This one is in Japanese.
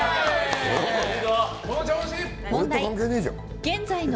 その調子！